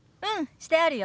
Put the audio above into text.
してあるよ。